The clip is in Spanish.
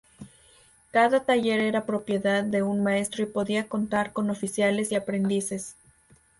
Cada taller era propiedad de un maestro y podía contar con oficiales y aprendices.